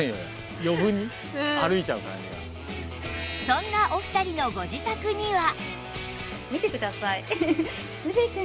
そんなお二人のご自宅には